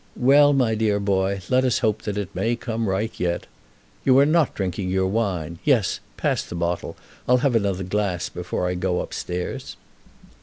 Well, my dear boy, let us hope that it may come right yet. You are not drinking your wine. Yes, pass the bottle; I'll have another glass before I go upstairs."